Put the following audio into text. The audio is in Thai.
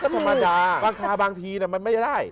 ก็ประมาณนี้บางทีมันไม่ได้